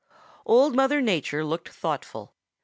Old Mother Nature looked thoughtful.